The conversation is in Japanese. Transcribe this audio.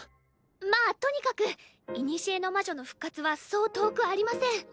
まあとにかく古の魔女の復活はそう遠くありません。